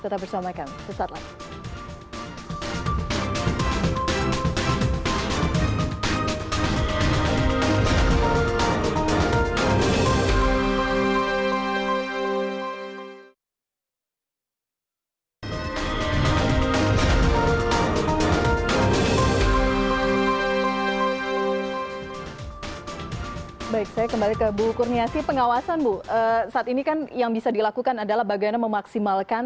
tetap bersama kami